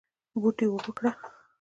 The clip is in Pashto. بوټي اوبه کړه